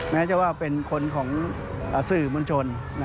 แม้จะว่าเป็นคนของสื่อมวลชน